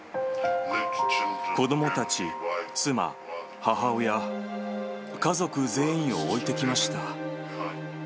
子どもたち、妻、母親、家族全員を置いてきました。